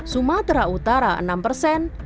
sumatera utara enam persen